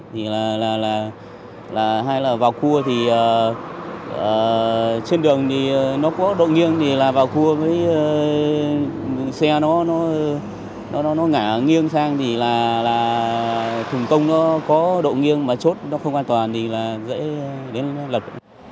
thì là hai là vào cua thì trên đường thì nó có độ nghiêng thì là vào cua với xe nó ngả nghiêng sang thì là thùng công nó có độ nghiêng mà chốt nó không an toàn thì là dễ đến lật